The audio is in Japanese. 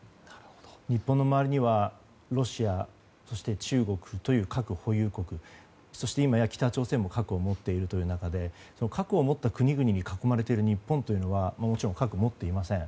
日本の周りにはロシアそして中国という核保有国そして、今や北朝鮮も核を持っているという中で核を持った国々に囲まれている日本というのはもちろん核を持っていません。